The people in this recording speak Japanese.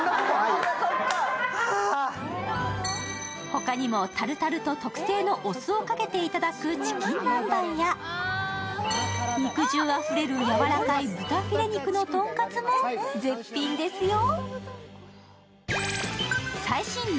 他にもタルタルと特製のお酢をかけていただくチキン南蛮や肉汁あふれるやわらかい豚フィレ肉のとんかつも絶品ですよ。